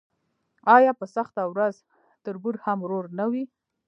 آیا په سخته ورځ تربور هم ورور نه وي؟